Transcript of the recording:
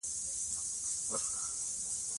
ولایتونه د افغانستان د امنیت په اړه اغېز لري.